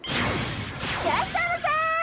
いらっしゃいませ！